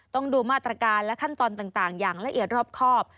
ต้องดูมาตรการและขั้นตอนต่างอย่างละเอียดรอบครอบ